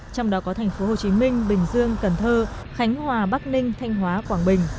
trong đó có thành phố hồ chí minh bình dương cần thơ khánh hòa bắc ninh thanh hóa quảng bình